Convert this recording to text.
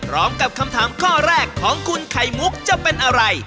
ร้องกับคำถามข้อแรกของคุณไข่มุกจะเป็นอะไร